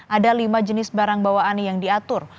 ada lima jenis barang bawaan yang diatur